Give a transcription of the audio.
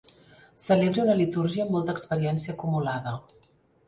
Celebri una litúrgia amb molta experiència acumulada.